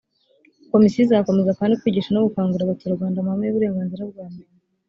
komisiyo izakomeza kandi kwigisha no gukangurira abaturarwanda amahame y’uburenganzira bwa muntu